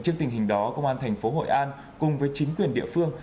trên tình hình đó công an thành phố hội an cùng với chính quyền địa phương